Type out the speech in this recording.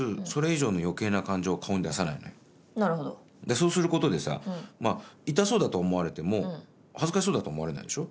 そうすることでさ痛そうだと思われても恥ずかしそうだと思われないでしょ？